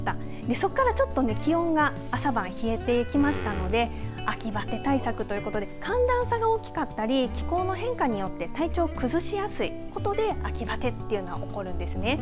そこからだんだん朝晩気温が冷え込んできましたので秋バテ対策ということで寒暖差が大きかったり気候の変化によって体調を崩しやすいことで秋バテが起こるんですね。